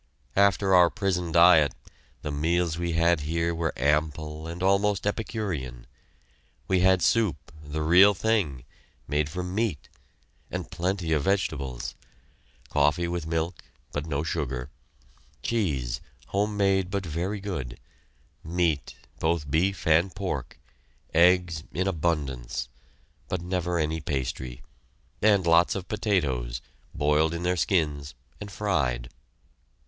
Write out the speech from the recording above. After our prison diet, the meals we had here were ample and almost epicurean. We had soup the real thing made from meat, with plenty of vegetables; coffee with milk, but no sugar; cheese, homemade but very good; meat, both beef and pork; eggs in abundance; but never any pastry; and lots of potatoes, boiled in their skins, and fried.